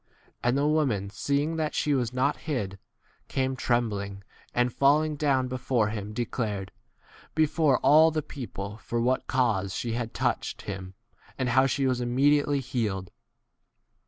And the woman, seeing that she was not hid, came trem bling, and falling down before him declared f before all the people for what cause she had touched him, and how she was immedi 48 ately healed.